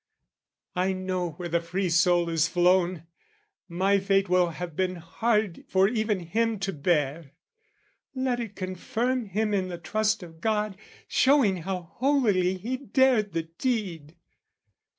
I know where the free soul is flown! My fate Will have been hard for even him to bear: Let it confirm him in the trust of God, Showing how holily he dared the deed!